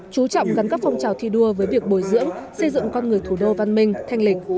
chú trọng gắn các phong trào thi đua với việc bồi dưỡng xây dựng con người thủ đô văn minh thanh lịch